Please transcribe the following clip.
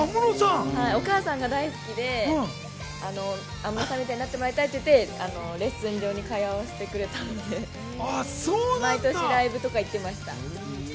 お母さんが大好きで、安室さんみたいになってもらいたいということでレッスン場に通わせてもらったので毎年ライブとか行っていました。